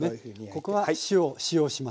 ここは塩を使用します。